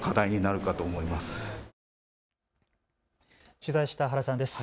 取材した原さんです。